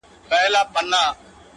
حافظه يې ژوندۍ ساتي تل